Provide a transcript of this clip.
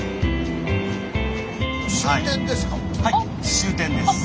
終点ですか？